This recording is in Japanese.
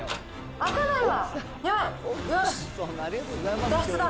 開かないわ。